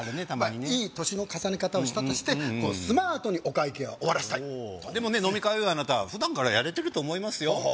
たまにねいい年の重ね方をしたとしてスマートにお会計は終わらせたいでもね飲み会ではあなた普段からやれてると思いますよ